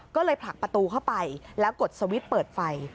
ก็เลยผลักประตูเข้าไปแล้วกดสวิตช์เปิดไฟ